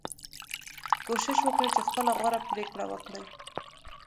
کوشش وکړئ چې خپله غوره پریکړه وکړئ.